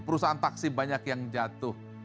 perusahaan taksi banyak yang jatuh